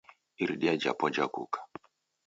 Iridia japo jakuka.